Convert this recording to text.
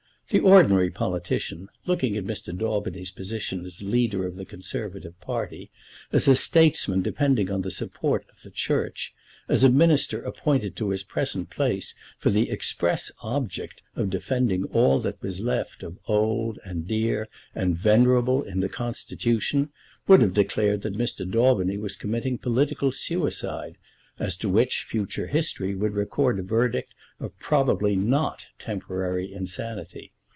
The ordinary politician, looking at Mr. Daubeny's position as leader of the Conservative party, as a statesman depending on the support of the Church, as a Minister appointed to his present place for the express object of defending all that was left of old, and dear, and venerable in the Constitution, would have declared that Mr. Daubeny was committing political suicide, as to which future history would record a verdict of probably not temporary insanity.